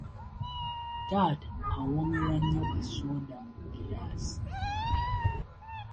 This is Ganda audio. Taata awoomerwa nnyo kassooda mu giraasi.